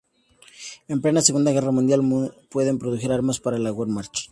En plena Segunda guerra mundial, Mende produjo armas para la Wehrmacht.